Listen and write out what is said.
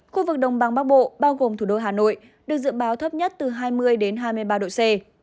khu vực đồng bằng bắc bộ bao gồm thủ đô hà nội được dự báo thấp nhất từ hai mươi hai mươi ba độ c